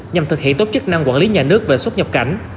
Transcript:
nhằm thực hiện tốt chức năng quản lý nhà nước về xuất nhập cảnh